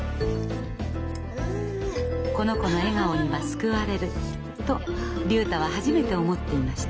この子の笑顔には救われると竜太は初めて思っていました。